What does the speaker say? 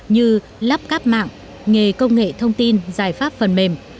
như lắp cáp mạng nghề công nghệ thông tin giải pháp phần mềm